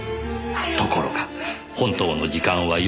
ところが本当の時間は４時直前。